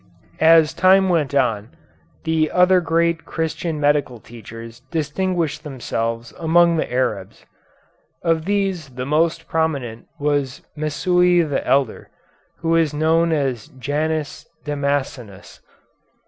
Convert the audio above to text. As time went on, other great Christian medical teachers distinguished themselves among the Arabs. Of these the most prominent was Messui the elder, who is also known as Janus Damascenus.